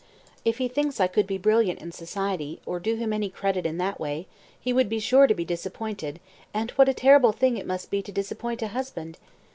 "If he thinks I could be brilliant in society, or do him any credit in that way, he would be sure to be disappointed, and what a terrible thing it must be to disappoint a husband!